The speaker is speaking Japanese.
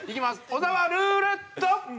小沢ルーレット！